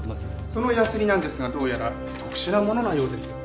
そのヤスリなんですがどうやら特殊なもののようです。